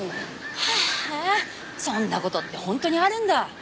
へえそんな事って本当にあるんだ。